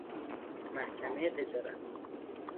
محکمۀ تجارت